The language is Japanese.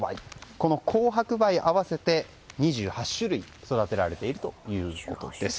この紅白梅合わせて２８種類が育てられているということです。